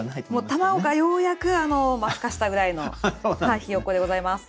卵がようやくふ化したぐらいのひよっこでございます。